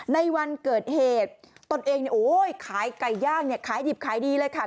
ในวันเกิดเหตุตนเองขายไก่ย่างขายหยิบขายดีเลยค่ะ